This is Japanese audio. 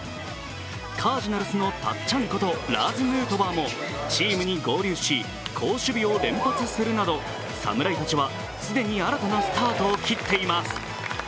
カージナルスのたっちゃんことラーズ・ヌートバーもチームに合流し好守備を連発するなど侍たちは既に新たなスタートを切っています。